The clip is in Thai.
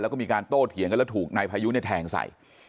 แล้วก็มีการโต้เถียงกันแล้วถูกนายพายุเนี่ยแทงใส่